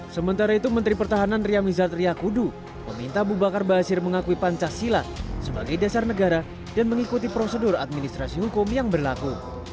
sementara itu menteri pertahanan ria miza triakudu meminta abu bakar basir mengakui pancasila sebagai dasar negara dan mengikuti prosedur administrasi hukum yang berlaku